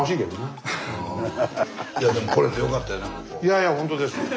いやいやほんとです。